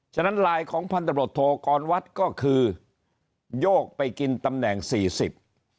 ฉะนั้นลายของพันธบรดโทกรวัดก็คือโยกไปกินตำแหน่งสี่สิบ